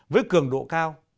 với cường độ cao